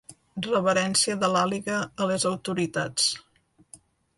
Reverència de l'Àliga a les autoritats.